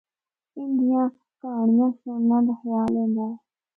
ان دیاں کہانڑیاں سنڑنا دا خیال ایندا ہے۔